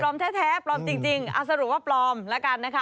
แท้ปลอมจริงเอาสรุปว่าปลอมแล้วกันนะคะ